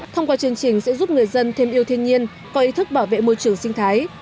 thông qua chương trình sẽ giúp người dân thêm yêu thiên nhiên có ý thức bảo vệ môi trường sinh thái